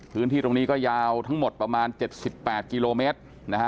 พื้นที่ตรงนี้ก็ยาวทั้งหมดประมาณ๗๘กิโลเมตรนะฮะ